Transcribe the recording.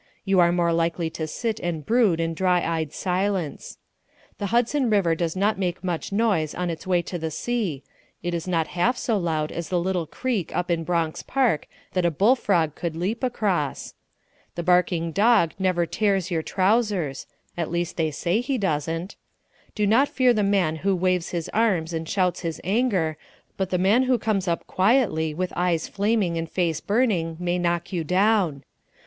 You are more likely to sit and brood in dry eyed silence. The Hudson River does not make much noise on its way to the sea it is not half so loud as the little creek up in Bronx Park that a bullfrog could leap across. The barking dog never tears your trousers at least they say he doesn't. Do not fear the man who waves his arms and shouts his anger, but the man who comes up quietly with eyes flaming and face burning may knock you down.